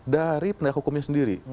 dari pendidik hukumnya sendiri